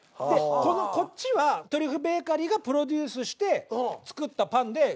でこっちは「トリュフベーカリー」がプロデュースして作ったパンで。